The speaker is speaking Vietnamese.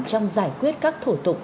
trong giải quyết các thủ tục